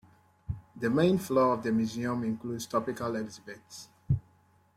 The main floor of the museum includes topical exhibits.